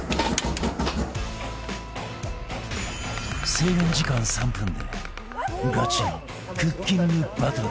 制限時間３分でガチのクッキングバトル